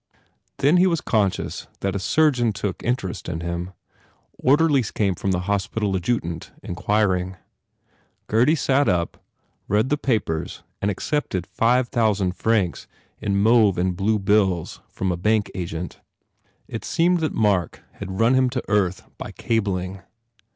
Then he was conscious that a surgeon took in terest in him. Orderlies came from the hospital adjutant inquiring. Gurdy sat up, read the papers and accepted five thousand francs in mauve and blue bills from a bank agent. It seemed 105 THE FAIR REWARDS that Mark had run him to earth by cabling.